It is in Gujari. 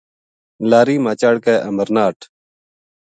لاری ما چڑھ کے امرناہٹھ